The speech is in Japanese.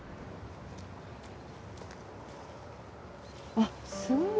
あっすごい。